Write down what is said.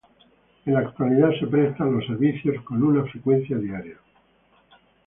En la actualidad se prestan los servicios con una frecuencia diaria.